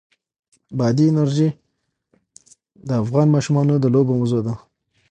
بادي انرژي د افغان ماشومانو د لوبو موضوع ده.